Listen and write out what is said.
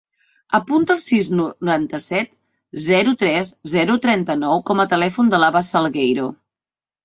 Apunta el sis, noranta-set, zero, tres, zero, trenta-nou com a telèfon de l'Abba Salgueiro.